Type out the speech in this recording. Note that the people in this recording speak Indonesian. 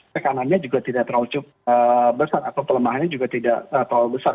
tekanannya juga tidak terlalu besar atau pelemahannya juga tidak terlalu besar